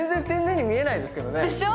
でしょ！